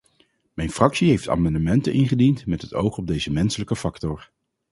Mijn fractie heeft amendementen ingediend met het oog op deze menselijke factor.